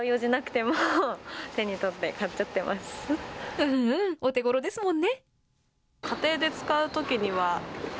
うんうん、お手ごろですもんね。